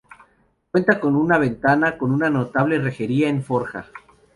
Cuenta con una ventana con una notable rejería en forja.